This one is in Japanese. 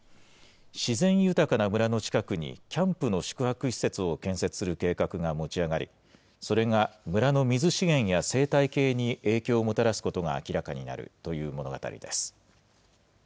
自然豊かな村の近くにキャンプの宿泊施設を建設する計画が持ち上がり、それが村の水資源や生態系に影響をもたらすことが明らかになるという物語です。